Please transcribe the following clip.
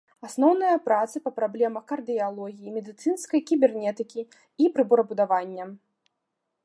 Асноўныя працы па праблемах кардыялогіі, медыцынскай кібернетыкі і прыборабудавання.